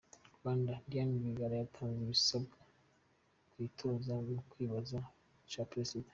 Rwanda: Diane Rwigara yatanze ibisabwa kwitoza mu kibanza ca Prezida.